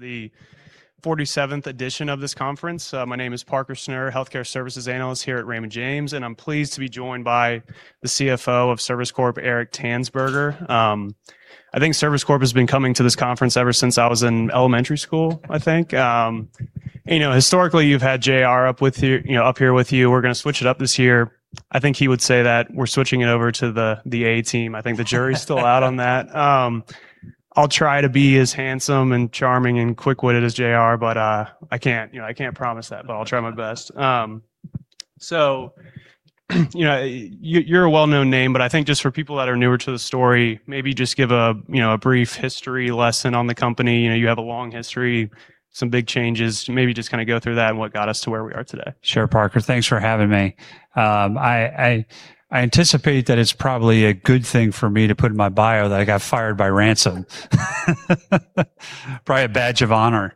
It's the 47th edition of this conference. My name is Parker Snure, Healthcare Services Analyst here at Raymond James, and I'm pleased to be joined by the CFO of Service Corp, Eric D. Tanzberger. I think Service Corp has been coming to this conference ever since I was in elementary school, I think. You know, historically you've had JR you know, up here with you. We're gonna switch it up this year. I think he would say that we're switching it over to the A team. I think the jury's still out on that. I'll try to be as handsome and charming and quick-witted as JR, but I can't, you know, I can't promise that, but I'll try my best. you know, you're a well-known name, I think just for people that are newer to the story, maybe just give a, you know, a brief history lesson on the company. You know, you have a long history, some big changes. Maybe just kind of go through that and what got us to where we are today. Sure, Parker. Thanks for having me. I anticipate that it's probably a good thing for me to put in my bio that I got fired by Ransom. Probably a badge of honor.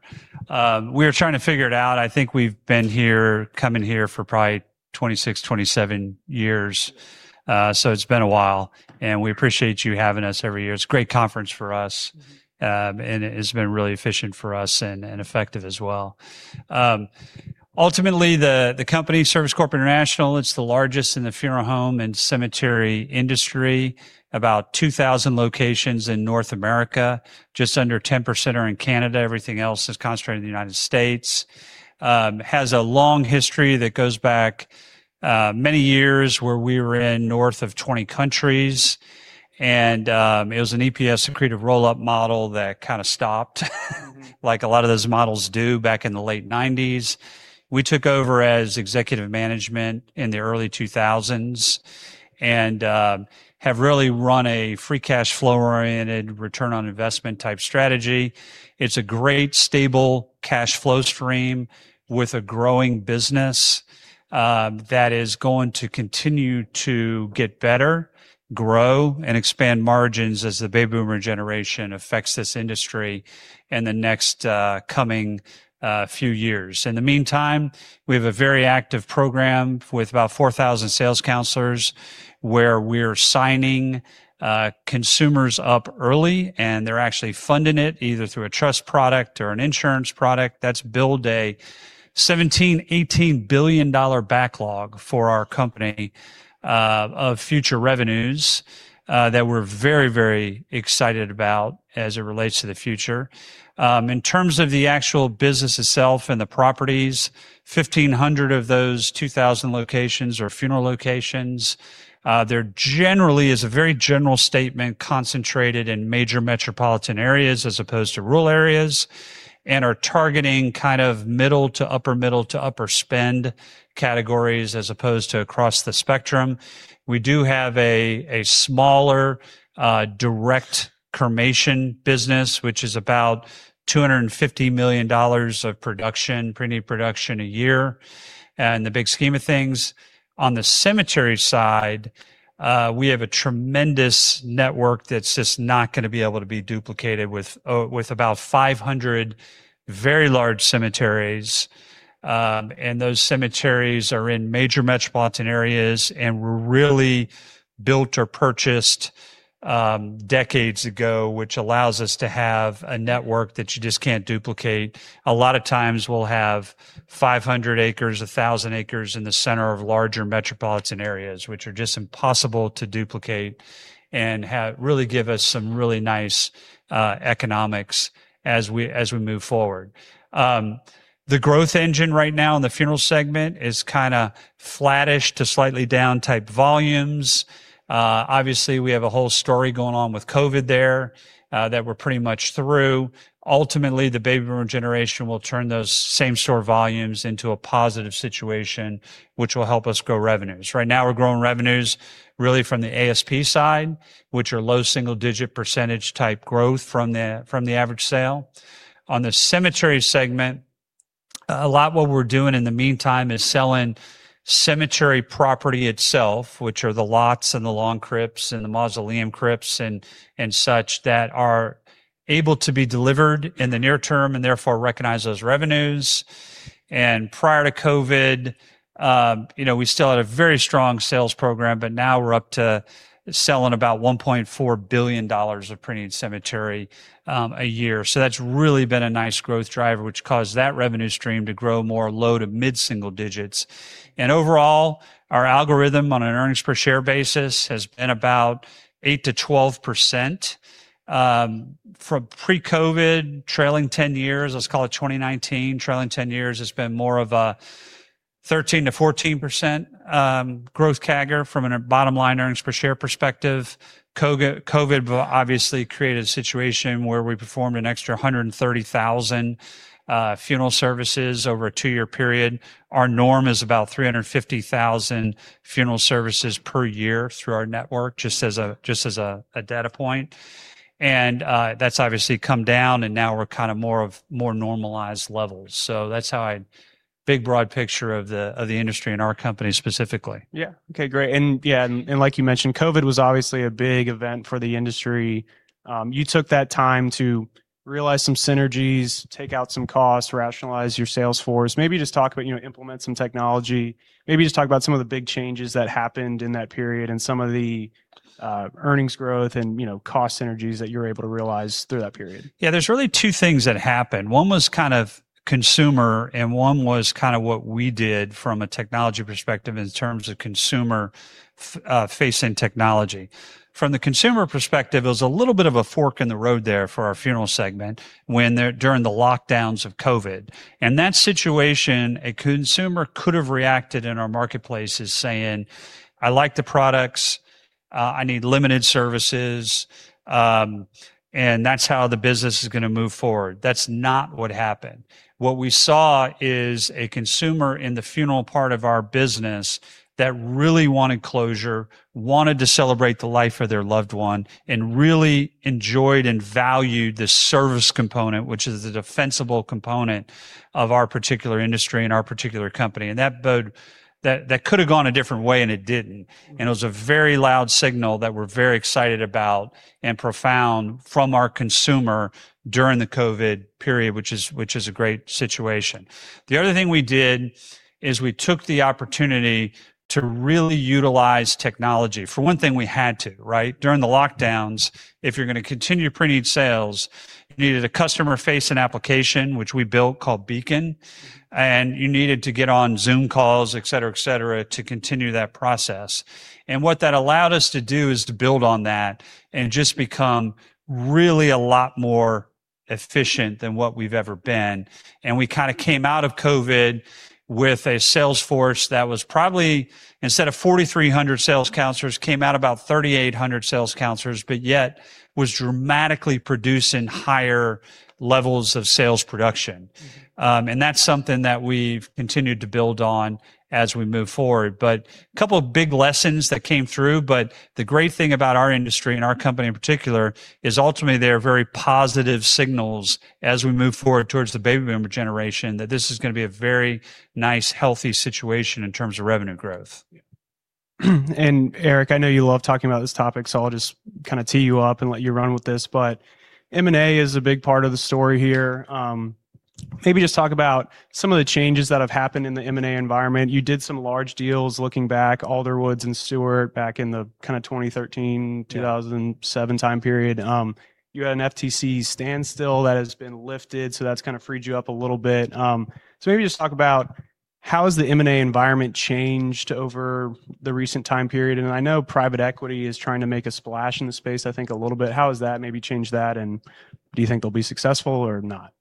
We were trying to figure it out. I think we've been here, coming here for probably 26, 27 years. It's been a while, and we appreciate you having us every year. It's a great conference for us, and it has been really efficient for us and effective as well. Ultimately, the company, Service Corp International, it's the largest in the funeral home and cemetery industry. About 2,000 locations in North America, just under 10% are in Canada. Everything else is concentrated in the United States. Has a long history that goes back many years, where we were in north of 20 countries. It was an EPS accretive roll-up model that kind of stopped like a lot of those models do back in the late '90s. We took over as executive management in the early 2000s and have really run a free cash flow-oriented return on investment type strategy. It's a great stable cash flow stream with a growing business that is going to continue to get better, grow, and expand margins as the baby boomer generation affects this industry in the next coming few years. In the meantime, we have a very active program with about 4,000 sales counselors, where we're signing consumers up early, and they're actually funding it either through a trust product or an insurance product. That's build a $17 billion-$18 billion backlog for our company of future revenues that we're very, very excited about as it relates to the future. In terms of the actual business itself and the properties, 1,500 of those 2,000 locations are funeral locations. They're generally, as a very general statement, concentrated in major metropolitan areas as opposed to rural areas and are targeting kind of middle to upper middle to upper spend categories as opposed to across the spectrum. We do have a smaller direct cremation business, which is about $250 million of production, pre-need production a year in the big scheme of things. On the cemetery side, we have a tremendous network that's just not gonna be able to be duplicated with about 500 very large cemeteries. Those cemeteries are in major metropolitan areas and were really built or purchased, decades ago, which allows us to have a network that you just can't duplicate. A lot of times we'll have 500 acres, 1,000 acres in the center of larger metropolitan areas, which are just impossible to duplicate and really give us some really nice economics as we move forward. The growth engine right now in the funeral segment is kind of flattish to slightly down type volumes. Obviously we have a whole story going on with COVID there, that we're pretty much through. Ultimately, the baby boomer generation will turn those same-store volumes into a positive situation, which will help us grow revenues. Right now we're growing revenues really from the ASP side, which are low single-digit % type growth from the average sale. On the cemetery segment, a lot what we're doing in the meantime is selling cemetery property itself, which are the lots and the lawn crypts and the mausoleum crypts and such that are able to be delivered in the near term and therefore recognize those revenues. Prior to COVID, you know, we still had a very strong sales program, but now we're up to selling about $1.4 billion of pre-need cemetery a year. That's really been a nice growth driver, which caused that revenue stream to grow more low to mid-single-digits. Overall, our algorithm on an earnings per share basis has been about 8%-12%. From pre-COVID trailing 10 years, let's call it 2019, trailing 10 years has been more of a 13%-14% growth CAGR from a bottom line EPS perspective. COVID obviously created a situation where we performed an extra 130,000 funeral services over a 2-year period. Our norm is about 350,000 funeral services per year through our network, just as a data point. That's obviously come down, and now we're kind of more normalized levels. That's how big broad picture of the industry and our company specifically. Yeah. Okay, great. Yeah, and like you mentioned, COVID was obviously a big event for the industry. You took that time to realize some synergies, take out some costs, rationalize your sales force. Maybe just talk about, you know, implement some technology. Maybe just talk about some of the big changes that happened in that period and some of the earnings growth and, you know, cost synergies that you were able to realize through that period. There's really two things that happened. One was kind of consumer, and one was kind of what we did from a technology perspective in terms of consumer-facing technology. From the consumer perspective, it was a little bit of a fork in the road there for our funeral segment when during the lockdowns of COVID. In that situation, a consumer could have reacted in our marketplaces saying, "I like the products. I need limited services," and that's how the business is gonna move forward. That's not what happened. What we saw is a consumer in the funeral part of our business that really wanted closure, wanted to celebrate the life of their loved one, and really enjoyed and valued the service component, which is the defensible component of our particular industry and our particular company. That could have gone a different way, and it didn't. Mm-hmm. It was a very loud signal that we're very excited about and profound from our consumer during the COVID period, which is a great situation. The other thing we did is we took the opportunity to really utilize technology. For one thing, we had to, right? During the lockdowns, if you're gonna continue pre-need sales, you needed a customer-facing application, which we built called Beacon, and you needed to get on Zoom calls, et cetera, to continue that process. What that allowed us to do is to build on that and just become really a lot more efficient than what we've ever been. We kind of came out of COVID with a sales force that was probably instead of 4,300 sales counselors, came out about 3,800 sales counselors, but yet was dramatically producing higher levels of sales production. Mm-hmm. That's something that we've continued to build on as we move forward. Couple of big lessons that came through, but the great thing about our industry and our company in particular is ultimately, there are very positive signals as we move forward towards the baby boomer generation that this is gonna be a very nice, healthy situation in terms of revenue growth. Eric, I know you love talking about this topic, so I'll just kind of tee you up and let you run with this. M&A is a big part of the story here. Maybe just talk about some of the changes that have happened in the M&A environment. You did some large deals looking back, Alderwoods and Stewart back in the kind of 2013. Yeah... 2007 time period. You had an FTC standstill that has been lifted, so that's kind of freed you up a little bit. Maybe just talk about how has the M&A environment changed over the recent time period. I know private equity is trying to make a splash in the space, I think a little bit. How has that maybe changed that, and do you think they'll be successful or not?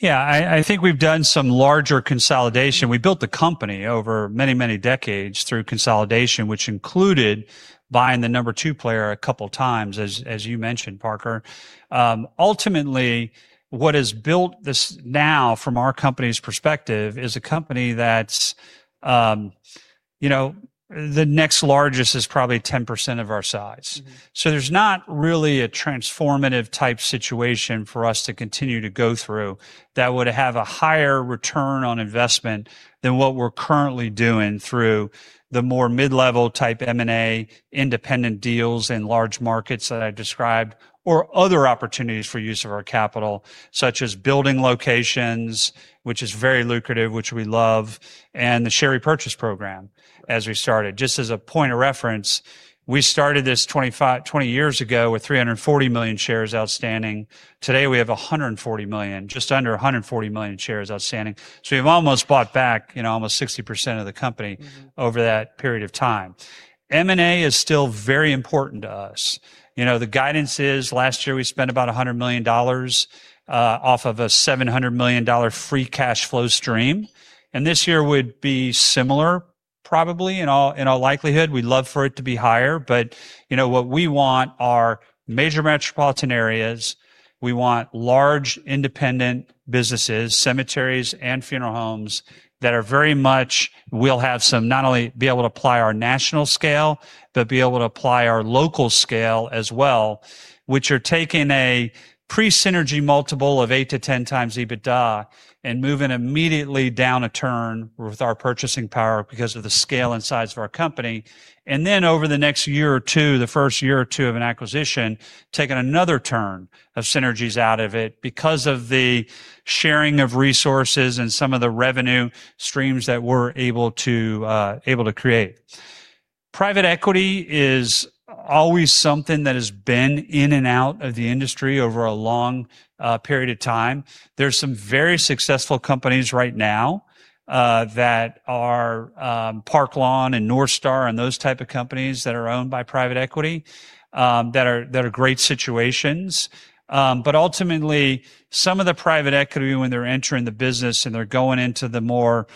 Yeah. I think we've done some larger consolidation. We built the company over many, many decades through consolidation, which included buying the number 2 player a couple times as you mentioned, Parker. Ultimately, what has built this now from our company's perspective is a company that's, you know, the next largest is probably 10% of our size. Mm-hmm. There's not really a transformative type situation for us to continue to go through that would have a higher ROI than what we're currently doing through the more mid-level type M&A independent deals in large markets that I described or other opportunities for use of our capital, such as building locations, which is very lucrative, which we love, and the share repurchase program as we started. Just as a point of reference, we started this 20 years ago with 340 million shares outstanding. Today, we have 140 million, just under 140 million shares outstanding. We've almost bought back, you know, almost 60% of the company. Mm-hmm... over that period of time. M&A is still very important to us. You know, the guidance is last year we spent about $100 million off of a $700 million free cash flow stream. This year would be similar probably in all likelihood. We'd love for it to be higher, but you know, what we want are major metropolitan areas. We want large independent businesses, cemeteries and funeral homes that are very much, we'll have some not only be able to apply our national scale, but be able to apply our local scale as well, which are taking a pre-synergy multiple of 8-10x EBITDA and moving immediately down a turn with our purchasing power because of the scale and size of our company. Over the next year or two, the 1st year or two of an acquisition, taking another turn of synergies out of it because of the sharing of resources and some of the revenue streams that we're able to create. Private equity is always something that has been in and out of the industry over a long period of time. There's some very successful companies right now that are Park Lawn and NorthStar and those type of companies that are owned by private equity, that are great situations. Ultimately, some of the private equity when they're entering the business and they're going into the more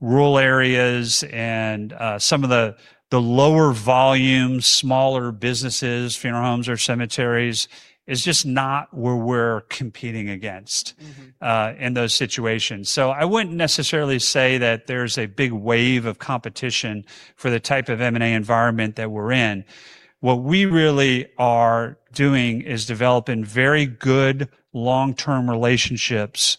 rural areas and some of the lower volume, smaller businesses, funeral homes or cemeteries, is just not where we're competing against- Mm-hmm In those situations. I wouldn't necessarily say that there's a big wave of competition for the type of M&A environment that we're in. What we really are doing is developing very good long-term relationships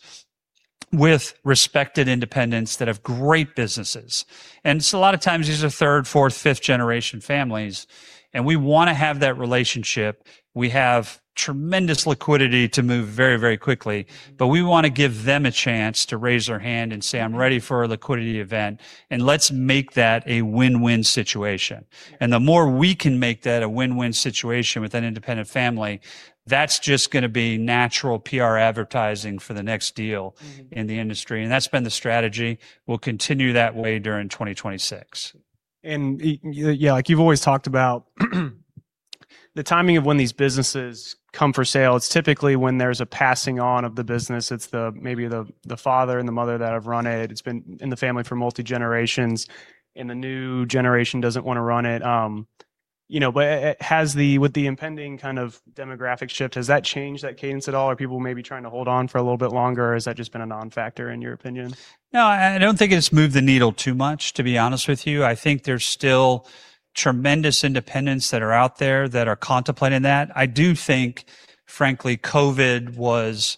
with respected independents that have great businesses. A lot of times these are third, fourth, fifth generation families, and we wanna have that relationship. We have tremendous liquidity to move very, very quickly, but we wanna give them a chance to raise their hand and say, "I'm ready for a liquidity event, and let's make that a win-win situation. Yeah. The more we can make that a win-win situation with an independent family, that's just gonna be natural PR advertising for the next deal... Mm-hmm... in the industry, that's been the strategy. We'll continue that way during 2026. Yeah, like you've always talked about the timing of when these businesses come for sale, it's typically when there's a passing on of the business. It's the, maybe the father and the mother that have run it. It's been in the family for multi generations, the new generation doesn't wanna run it. You know, with the impending kind of demographic shift, has that changed that cadence at all? Are people maybe trying to hold on for a little bit longer, or has that just been a non-factor in your opinion? No, I don't think it's moved the needle too much, to be honest with you. I think there's still tremendous independents that are out there that are contemplating that. I do think, frankly, COVID was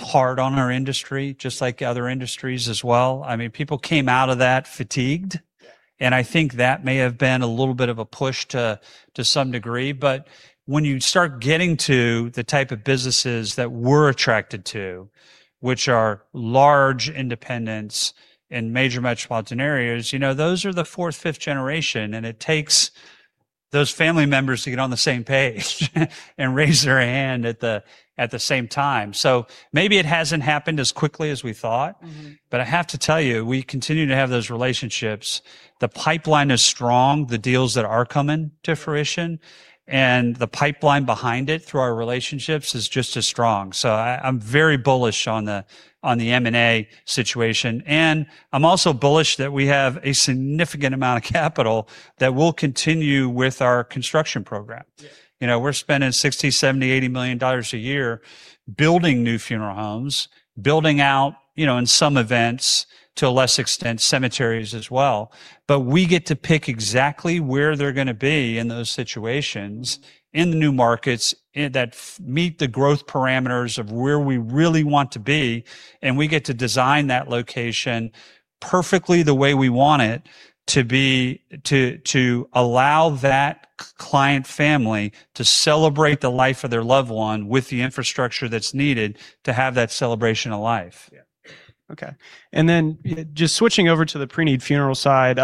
hard on our industry, just like other industries as well. I mean, people came out of that fatigued. Yeah. I think that may have been a little bit of a push to some degree. When you start getting to the type of businesses that we're attracted to, which are large independents in major metropolitan areas, you know, those are the fourth, fifth generation, and it takes those family members to get on the same page and raise their hand at the same time. Maybe it hasn't happened as quickly as we thought. Mm-hmm. I have to tell you, we continue to have those relationships. The pipeline is strong, the deals that are coming to fruition, and the pipeline behind it through our relationships is just as strong. I'm very bullish on the M&A situation. I'm also bullish that we have a significant amount of capital that will continue with our construction program. Yeah. You know, we're spending $60, $70, $80 million a year building new funeral homes, building out, you know, in some events, to a less extent, cemeteries as well. We get to pick exactly where they're gonna be in those situations, in the new markets, that meet the growth parameters of where we really want to be, we get to design that location perfectly the way we want it to be, to allow that client family to celebrate the life of their loved one with the infrastructure that's needed to have that celebration of life. Yeah. Okay. Just switching over to the pre-need funeral side,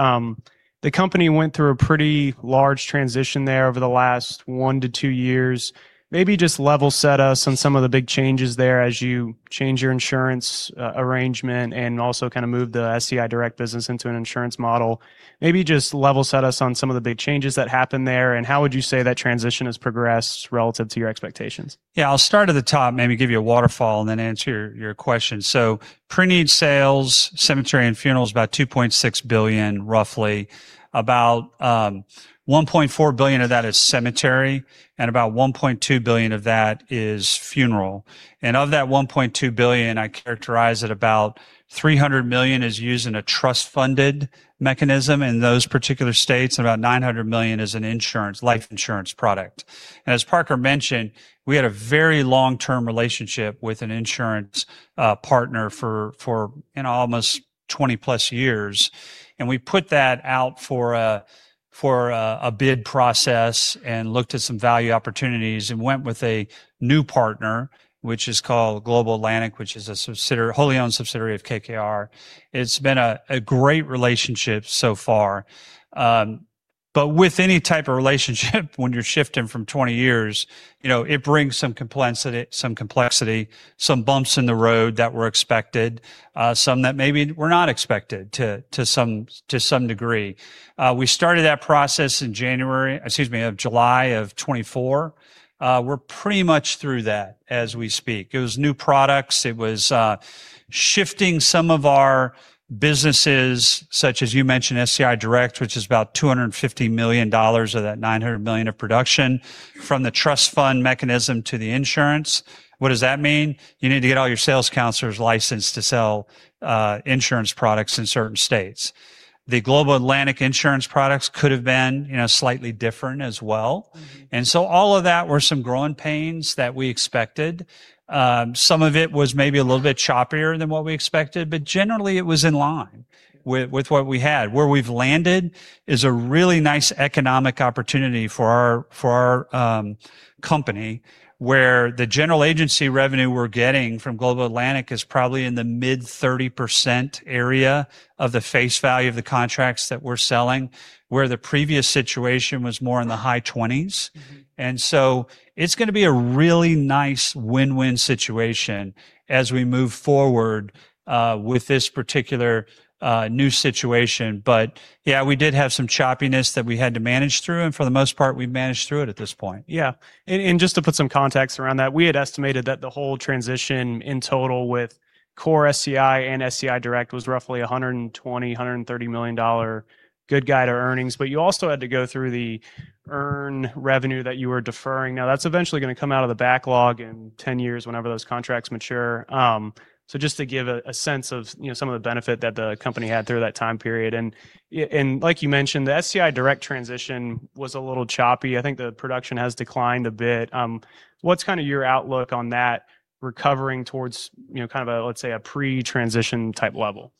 the company went through a pretty large transition there over the last 1-2 years. Maybe just level set us on some of the big changes there as you change your insurance arrangement and also kind of move the SCI Direct business into an insurance model. Maybe just level set us on some of the big changes that happened there, and how would you say that transition has progressed relative to your expectations? I'll start at the top, maybe give you a waterfall, and then answer your question. Pre-need sales, cemetery and funeral is about $2.6 billion, roughly. About $1.4 billion of that is cemetery, and about $1.2 billion of that is funeral. Of that $1.2 billion, I characterize it about $300 million is used in a trust funded mechanism in those particular states, and about $900 million is an insurance, life insurance product. As Parker mentioned, we had a very long-term relationship with an insurance partner for, you know, almost 20-plus years, and we put that out for a bid process and looked at some value opportunities and went with a new partner, which is called Global Atlantic, which is a wholly owned subsidiary of KKR. It's been a great relationship so far. With any type of relationship when you're shifting from 20 years, you know, it brings some complexity, some bumps in the road that were expected, some that maybe were not expected to some degree. We started that process in January, excuse me, of July of 2024. We're pretty much through that as we speak. It was new products. It was shifting some of our businesses, such as you mentioned, SCI Direct, which is about $250 million of that $900 million of production, from the trust fund mechanism to the insurance. What does that mean? You need to get all your sales counselors licensed to sell insurance products in certain states. The Global Atlantic insurance products could have been, you know, slightly different as well. Mm-hmm. All of that were some growing pains that we expected. Some of it was maybe a little bit choppier than what we expected, but generally it was in line with what we had. Where we've landed is a really nice economic opportunity for our company. Where the general agency revenue we're getting from Global Atlantic is probably in the mid-30% area of the face value of the contracts that we're selling, where the previous situation was more in the high 20s. Mm-hmm. It's going to be a really nice win-win situation as we move forward with this particular new situation. Yeah, we did have some choppiness that we had to manage through, and for the most part, we've managed through it at this point. Just to put some context around that, we had estimated that the whole transition in total with core SCI and SCI Direct was roughly $120 million-$130 million good guide to earnings. You also had to go through the earn revenue that you were deferring. That's eventually going to come out of the backlog in 10 years whenever those contracts mature. Just to give a sense of, you know, some of the benefit that the company had through that time period. Like you mentioned, the SCI Direct transition was a little choppy. I think the production has declined a bit. What's kind of your outlook on that recovering towards, you know, kind of a, let's say a pre-transition type level?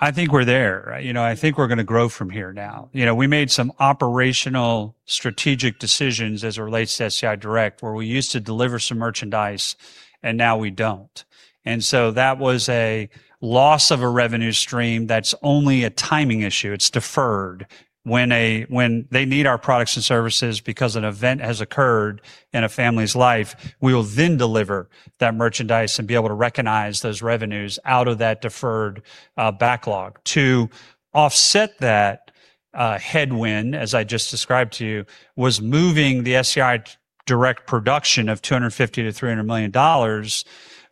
I think we're there. You know, I think we're going to grow from here now. You know, we made some operational strategic decisions as it relates to SCI Direct, where we used to deliver some merchandise and now we don't. That was a loss of a revenue stream that's only a timing issue. It's deferred. When they need our products and services because an event has occurred in a family's life, we will then deliver that merchandise and be able to recognize those revenues out of that deferred backlog. To offset that headwind, as I just described to you, was moving the SCI Direct production of $250 million-$300 million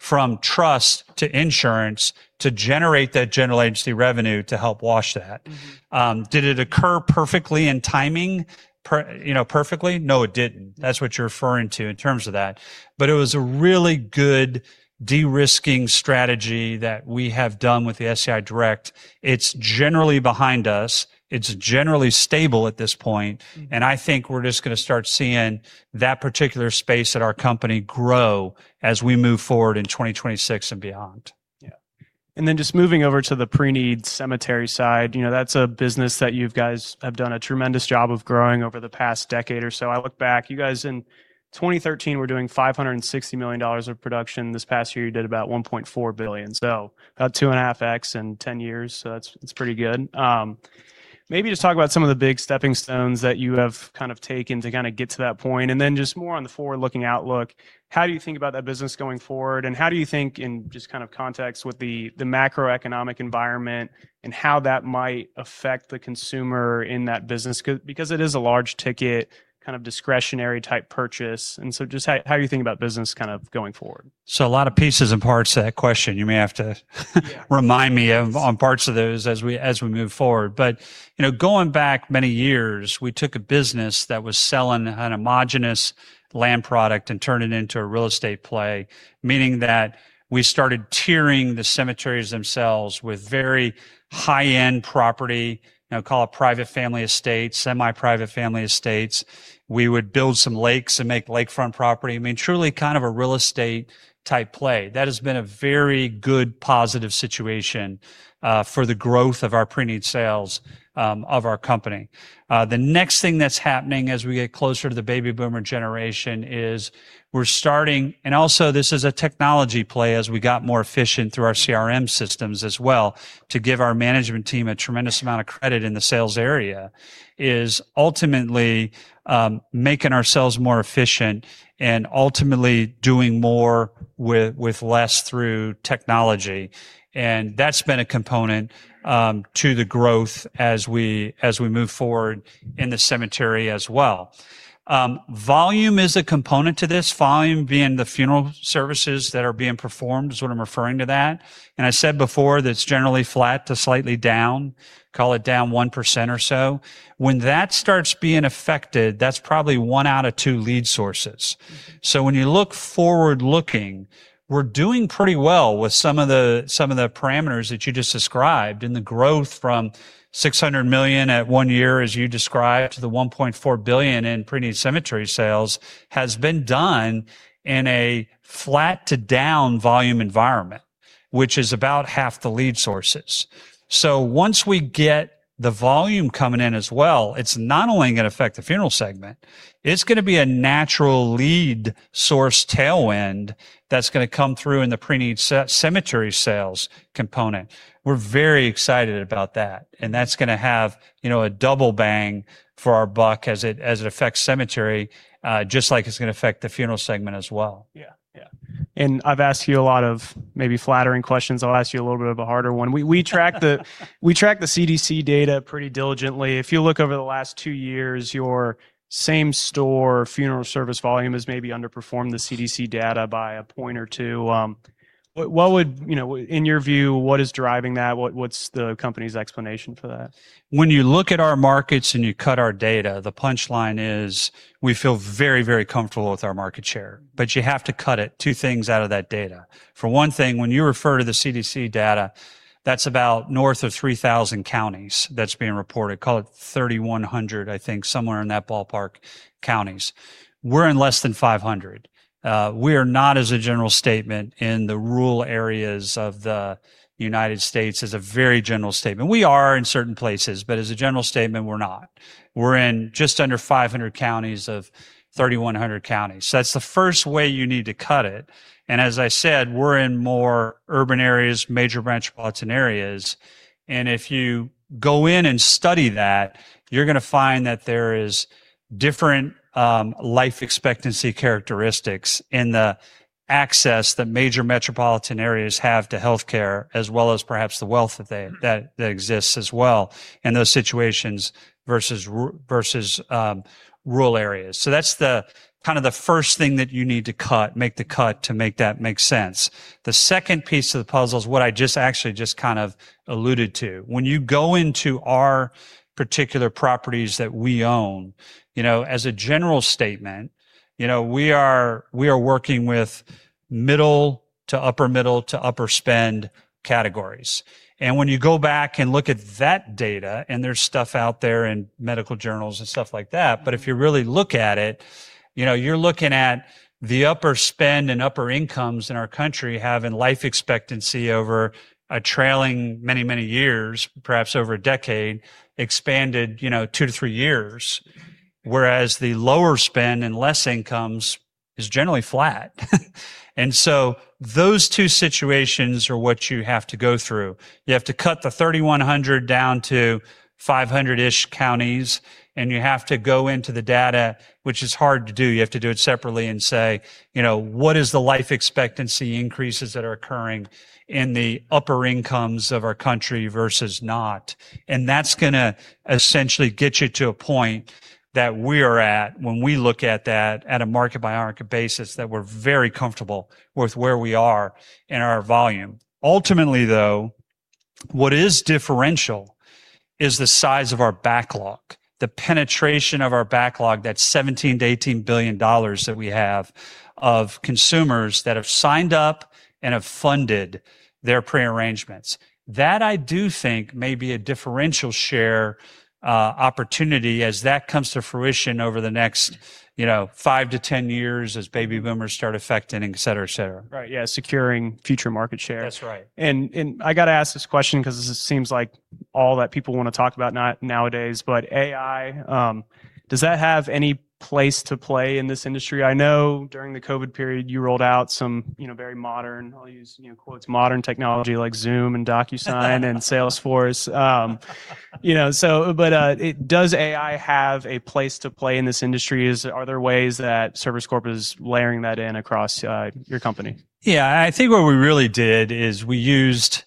from trust to insurance to generate that general agency revenue to help wash that. Mm-hmm. Did it occur perfectly in timing you know, perfectly? No, it didn't. That's what you're referring to in terms of that. It was a really good de-risking strategy that we have done with the SCI Direct. It's generally behind us. It's generally stable at this point. Mm-hmm. I think we're just going to start seeing that particular space at our company grow as we move forward in 2026 and beyond. Yeah. Just moving over to the pre-need cemetery side, you know, that's a business that you guys have done a tremendous job of growing over the past decade or so. I look back, you guys in 2013 were doing $560 million of production. This past year, you did about $1.4 billion. About 2.5x in 10 years, that's pretty good. Maybe just talk about some of the big stepping stones that you have kind of taken to kind of get to that point. Just more on the forward-looking outlook, how do you think about that business going forward? How do you think in just kind of context with the macroeconomic environment and how that might affect the consumer in that business? because it is a large ticket, kind of discretionary type purchase. Just how are you thinking about business kind of going forward? A lot of pieces and parts to that question. You may have to remind me. Yeah. On parts of those as we, as we move forward. You know, going back many years, we took a business that was selling a homogeneous land product and turned it into a real estate play, meaning that we started tiering the cemeteries themselves with very high-end property, you know, call it private family estates, semi-private family estates. We would build some lakes and make lakefront property. I mean, truly kind of a real estate type play. That has been a very good positive situation for the growth of our pre-need sales of our company. The next thing that's happening as we get closer to the baby boomer generation is this is a technology play as we got more efficient through our CRM systems as well, to give our management team a tremendous amount of credit in the sales area, is ultimately making ourselves more efficient and ultimately doing more with less through technology. That's been a component to the growth as we move forward in the cemetery as well. Volume is a component to this. Volume being the funeral services that are being performed is what I'm referring to that. I said before that it's generally flat to slightly down, call it down 1% or so. When that starts being affected, that's probably 1 out of 2 lead sources. When you look forward-looking, we're doing pretty well with some of the parameters that you just described, and the growth from $600 million at one year, as you described, to the $1.4 billion in pre-need cemetery sales has been done in a flat to down volume environment, which is about half the lead sources. Once we get the volume coming in as well, it's not only going to affect the funeral segment, it's going to be a natural lead source tailwind that's going to come through in the pre-need cemetery sales component. We're very excited about that, and that's going to have, you know, a double bang for our buck as it, as it affects cemetery, just like it's going to affect the funeral segment as well. Yeah. Yeah. I've asked you a lot of maybe flattering questions. I'll ask you a little bit of a harder one. We track the CDC data pretty diligently. If you look over the last two years, your same-store funeral service volume has maybe underperformed the CDC data by a point or two. What would, you know, in your view, what is driving that? What's the company's explanation for that? When you look at our markets and you cut our data, the punchline is we feel very, very comfortable with our market share. You have to cut it, two things out of that data. For one thing, when you refer to the CDC data. That's about north of 3,000 counties that's being reported, call it 3,100, I think somewhere in that ballpark counties. We're in less than 500. We are not as a general statement in the rural areas of the United States as a very general statement. We are in certain places, but as a general statement, we're not. We're in just under 500 counties of 3,100 counties. That's the first way you need to cut it, and as I said, we're in more urban areas, major metropolitan areas. If you go in and study that, you're gonna find that there is different life expectancy characteristics in the access that major metropolitan areas have to healthcare, as well as perhaps the wealth that exists as well in those situations versus rural areas. That's the kind of the first thing that you need to cut, make the cut to make that make sense. The second piece of the puzzle is what I just actually just kind of alluded to. When you go into our particular properties that we own, you know, as a general statement, you know, we are working with middle to upper middle to upper spend categories. When you go back and look at that data, and there's stuff out there in medical journals and stuff like that, but if you really look at it, you know, you're looking at the upper spend and upper incomes in our country having life expectancy over a trailing many years, perhaps over a decade, expanded, you know, 2-3 years, whereas the lower spend and less incomes is generally flat. Those two situations are what you have to go through. You have to cut the 3,100 down to 500-ish counties, and you have to go into the data, which is hard to do. You have to do it separately and say, you know, what is the life expectancy increases that are occurring in the upper incomes of our country versus not? That's gonna essentially get you to a point that we are at when we look at that at a market by market basis that we're very comfortable with where we are in our volume. Ultimately, though, what is differential is the size of our backlog, the penetration of our backlog, that $17 billion-$18 billion that we have of consumers that have signed up and have funded their pre-arrangements. That I do think may be a differential share opportunity as that comes to fruition over the next, you know, 5-10 years as baby boomers start affecting, et cetera, et cetera. Right. Yeah, securing future market share. That's right. I got to ask this question 'cause this seems like all that people want to talk about nowadays, AI, does that have any place to play in this industry? I know during the COVID period, you rolled out some, you know, very modern, I'll use, you know, quotes, "modern technology" like Zoom and DocuSign and Salesforce. You know, does AI have a place to play in this industry? Are there ways that Service Corp is layering that in across your company? Yeah. I think what we really did is we used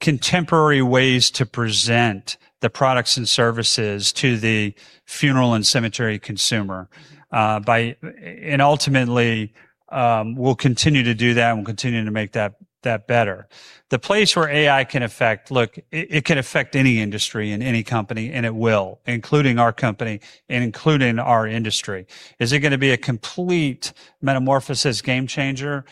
contemporary ways to present the products and services to the funeral and cemetery consumer, and ultimately, we'll continue to do that and we'll continue to make that better. Look, it can affect any industry and any company, and it will, including our company and including our industry. Is it gonna be a complete metamorphosis game changer?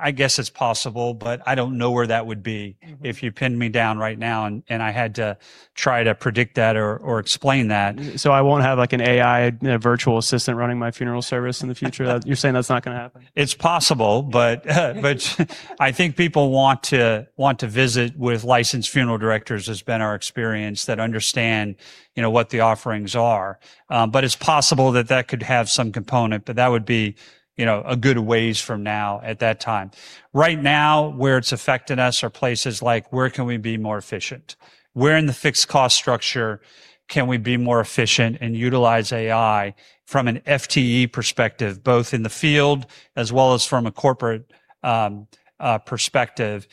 I guess it's possible, but I don't know where that would be- Mm-hmm... if you pinned me down right now and I had to try to predict that or explain that. I won't have, like, an AI virtual assistant running my funeral service in the future? You're saying that's not gonna happen. It's possible, I think people want to visit with licensed funeral directors, has been our experience, that understand, you know, what the offerings are. It's possible that that could have some component, but that would be, you know, a good ways from now at that time. Right now, where it's affected us are places like where can we be more efficient? Where in the fixed cost structure can we be more efficient and utilize AI from an FTE perspective, both in the field as well as from a corporate perspective?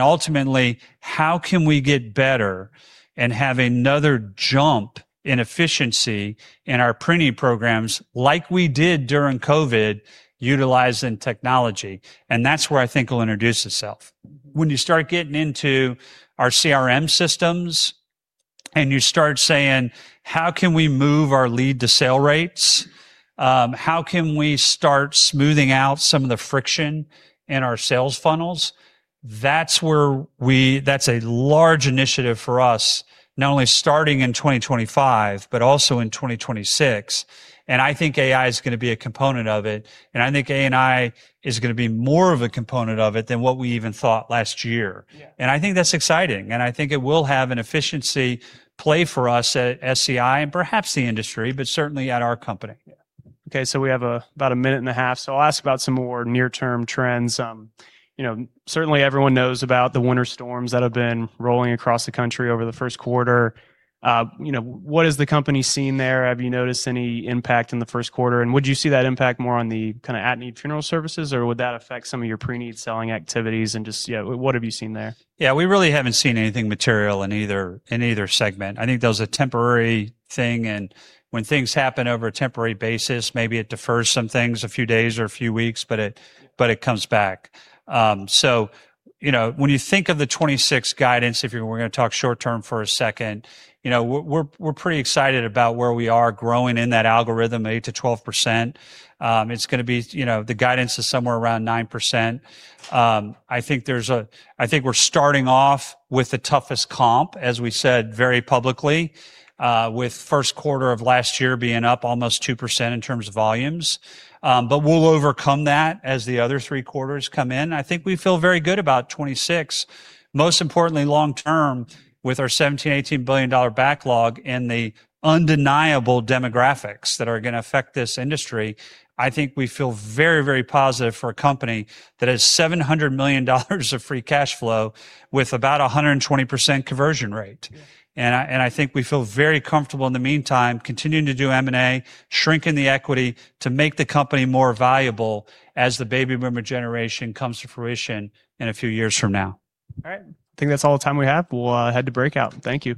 Ultimately, how can we get better and have another jump in efficiency in our preneed programs like we did during COVID utilizing technology? That's where I think it'll introduce itself. When you start getting into our CRM systems and you start saying, "How can we move our lead-to-sale rates? How can we start smoothing out some of the friction in our sales funnels?" That's a large initiative for us, not only starting in 2025, but also in 2026. I think AI is gonna be a component of it, and I think AI is gonna be more of a component of it than what we even thought last year. Yeah. I think that's exciting, and I think it will have an efficiency play for us at SCI and perhaps the industry, but certainly at our company. Yeah. Okay. We have about a minute and a half, so I'll ask about some more near-term trends. You know, certainly everyone knows about the winter storms that have been rolling across the country over the first quarter. You know, what is the company seeing there? Have you noticed any impact in the first quarter? Would you see that impact more on the kind of at-need funeral services, or would that affect some of your preneed selling activities? Just, yeah, what have you seen there? Yeah, we really haven't seen anything material in either, in either segment. I think there's a temporary thing, and when things happen over a temporary basis, maybe it defers some things a few days or a few weeks, but it comes back. You know, when you think of the 2026 guidance, if you're gonna talk short term for a second, you know, we're pretty excited about where we are growing in that algorithm 8%-12%. It's gonna be. You know, the guidance is somewhere around 9%. I think there's a. I think we're starting off with the toughest comp, as we said very publicly, with first quarter of last year being up almost 2% in terms of volumes. We'll overcome that as the other three quarters come in. I think we feel very good about 2026. Most importantly, long term, with our $17 billion-$18 billion backlog and the undeniable demographics that are gonna affect this industry, I think we feel very, very positive for a company that has $700 million of free cash flow with about a 120% conversion rate. Yeah. I think we feel very comfortable in the meantime continuing to do M&A, shrinking the equity to make the company more valuable as the baby boomer generation comes to fruition in a few years from now. All right. I think that's all the time we have. We'll head to breakout. Thank you.